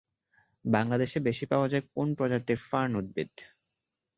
বাংলাদেশে বেশি পাওয়া যায় কোন প্রজাতির ফার্ন উদ্ভিদ?